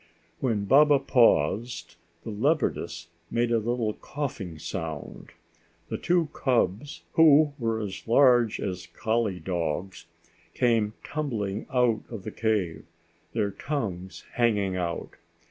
When Baba paused, the leopardess made a little coughing sound. The two cubs, who were as large as collie dogs, came tumbling out of the cave, their tongues hanging out.